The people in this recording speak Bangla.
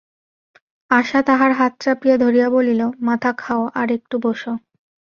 আশা তাহার হাত চাপিয়া ধরিয়া বলিল, মাথা খাও আর একটু বোসো।